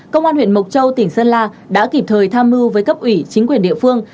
công an huyện mộc châu tỉnh sơn la đã kịp thời tham mưu với cấp ủy chính quyền địa phương